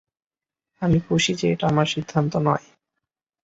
আমি খুশি যে এটা আমার সিদ্ধান্ত নয়।